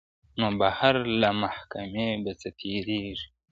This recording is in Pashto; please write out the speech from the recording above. نو بهر له محکمې به څه تیریږي ,